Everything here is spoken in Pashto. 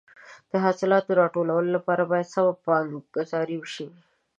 د حاصلاتو د راټولولو لپاره باید سمه پلانګذاري وشي.